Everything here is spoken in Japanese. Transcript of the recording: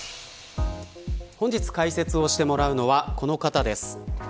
本日、解説をしてもらうのはこの方です。